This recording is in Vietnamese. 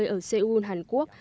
ở seoul hàn quốc